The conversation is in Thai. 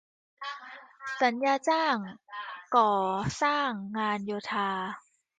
สัญญาจ้างก่อสร้างงานโยธา